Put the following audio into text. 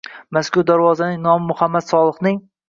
Mazkur darvozaning nomi Muhammad Solihning